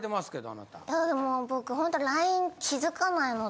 あでもぼくホントＬＩＮＥ気づかないのと。